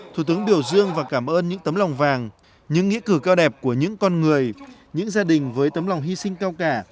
thủ tướng biểu dương và cảm ơn những tấm lòng vàng những nghĩa cử cao đẹp của những con người những gia đình với tấm lòng hy sinh cao cả